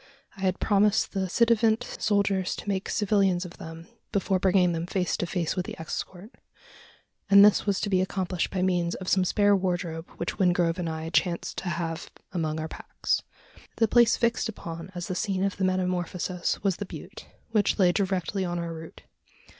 I had promised the ci devant soldiers to make civilians of them before bringing them face to face with the escort; and this was to be accomplished by means of some spare wardrobe which Wingrove and I chanced to have among our packs. The place fixed upon as the scene of the metamorphosis was the butte which lay directly on our route.